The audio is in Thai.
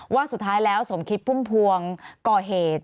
ว่าสุดท้ายแล้วสมคิดพุ่มพวงก่อเหตุ